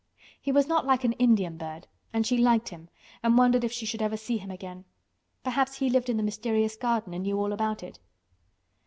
He was not like an Indian bird and she liked him and wondered if she should ever see him again. Perhaps he lived in the mysterious garden and knew all about it.